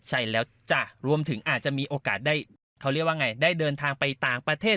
ใช่แล้วจ้ะรวมถึงอาจจะมีโอกาสได้เขาเรียกว่าไงได้เดินทางไปต่างประเทศ